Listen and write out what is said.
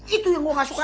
itu yang gue gak suka